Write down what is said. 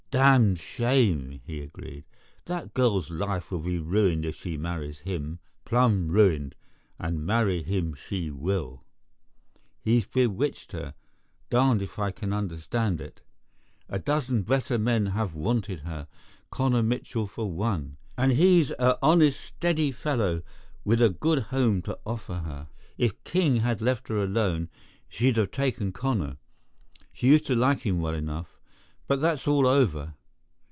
"Darned shame," he agreed. "That girl's life will be ruined if she marries him, plum' ruined, and marry him she will. He's bewitched her—darned if I can understand it. A dozen better men have wanted her—Connor Mitchell for one. And he's a honest, steady fellow with a good home to offer her. If King had left her alone, she'd have taken Connor. She used to like him well enough. But that's all over.